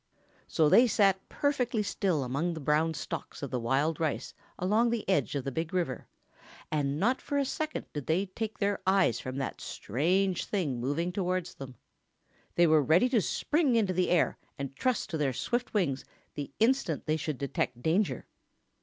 So they sat perfectly still among the brown stalks of the wild rice along the edge of the Big River, and not for a second did they take their eyes from that strange thing moving towards them. They were ready to spring into the air and trust to their swift wings the instant they should detect danger.